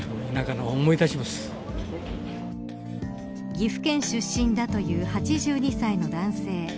岐阜県出身だという８２歳の男性。